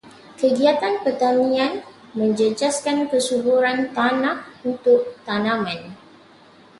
Kegiatan pertanian menjejaskan kesuburan tanah untuk tanaman.